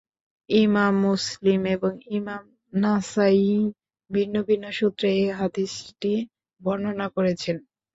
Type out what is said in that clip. ইমাম মুসলিম এবং ইমাম নাসাঈ ভিন্ন ভিন্ন সূত্রে এ হাদীসটি বর্ণনা করেছেন।